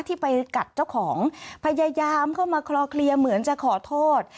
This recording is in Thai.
ที่ไปกัดเจ้าของพยายามเข้ามาคลอเคลียร์เหมือนจะขอโทษ